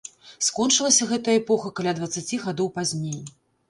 Скончылася гэтая эпоха каля дваццаці гадоў пазней.